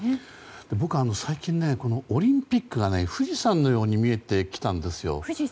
僕、最近オリンピックが富士山のように見えてきたんですよ。